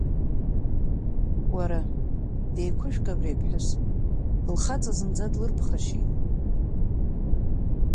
Уара, деиқәышәк абри аԥҳәыс, лхаҵа зынӡа длырԥхашьеит!